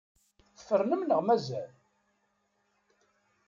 Tfernem neɣ mazal?